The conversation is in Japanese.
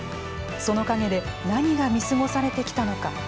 その陰で何が見過ごされてきたのか。